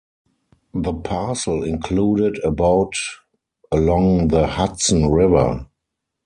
The parcel included about along the Hudson River.